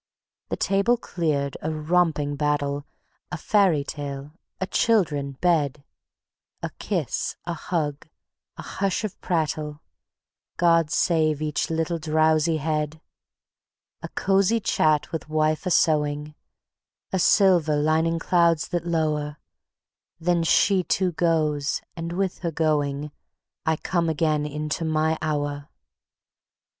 The table cleared, a romping battle, A fairy tale, a "Children, bed," A kiss, a hug, a hush of prattle (God save each little drowsy head!) A cozy chat with wife a sewing, A silver lining clouds that low'r, Then she too goes, and with her going, I come again into my Hour.